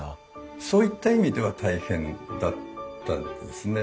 そういった意味では大変だったですね。